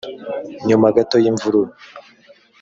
nyuma gato y imvururu